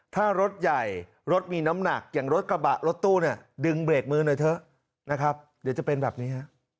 ถ้ารถใหญ่รถมีน้ำหนักอย่างรถกระบะรถตู้เนี่ยดึงเบรกมือหน่อยเถอะนะครับเดี๋ยวจะเป็นแบบนี้ฮะ